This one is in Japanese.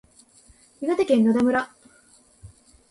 岩手県野田村